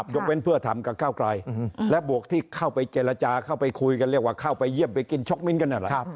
ยกเว้นเพื่อทำกับก้าวไกลและบวกที่เข้าไปเจรจาเข้าไปคุยกันเรียกว่าเข้าไปเยี่ยมไปกินช็อกมิ้นกันนั่นแหละ